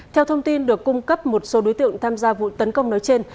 theo thông tin được cung cấp một số đối tượng tham gia vụ tấn công nói trên